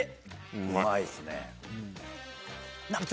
うまいっすね。